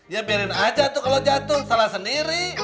ya biarin aja tuh kalau jatuh salah sendiri